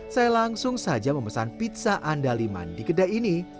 saya langsung saja memesan pizza andaliman di kedai ini